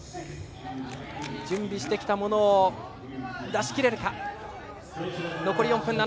準備してきたものを出し切れるか。